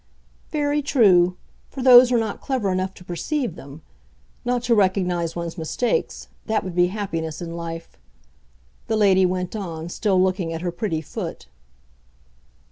"Very true—for those who are not clever enough to perceive them. Not to recognize one's mistakes—that would be happiness in life," the lady went on, still looking at her pretty foot.